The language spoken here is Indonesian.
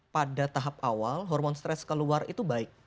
pada tahap awal hormon stres keluar itu baik